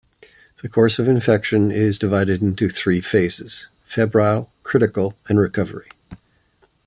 The course of infection is divided into three phases: febrile, critical, and recovery.